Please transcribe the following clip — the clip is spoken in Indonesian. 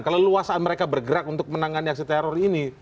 kalau luas mereka bergerak untuk menangani aksi teror ini